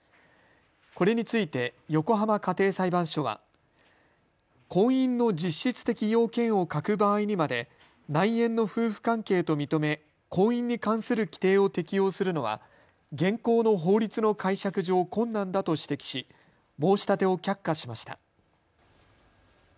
これについて横浜家庭裁判所は婚姻の実質的要件を欠く場合にまで内縁の夫婦関係と認め婚姻に関する規程を適用するのは現行の法律の解釈上困難だと指摘し申し立てを却下しました。